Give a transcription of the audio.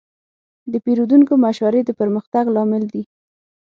د پیرودونکو مشورې د پرمختګ لامل دي.